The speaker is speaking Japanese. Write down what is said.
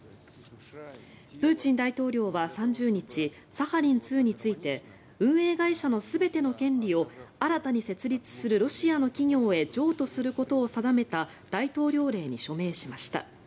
プーチン大統領は３０日サハリン２について運営会社の全ての権利を新たに設立するロシアの企業へ譲渡することを定めた大統領令に署名しました。